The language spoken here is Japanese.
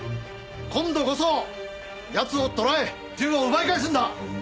今度こそ奴を捕らえ銃を奪い返すんだ！